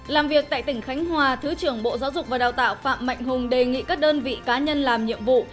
làm việc tại tỉnh khánh hòa thứ trưởng bộ giáo dục và đào tạo phạm mạnh hùng đề nghị các đơn vị cá nhân làm nhiệm vụ